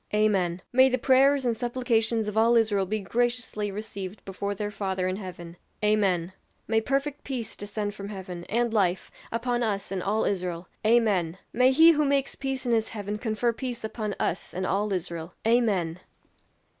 "Amen!" "May the prayers and supplications of all Israel be graciously received before their Father in heaven." "Amen." "May perfect peace descend from heaven, and life, upon us and all Israel." "Amen!" "May he who makes peace in his heaven confer peace upon us and all Israel." "Amen!"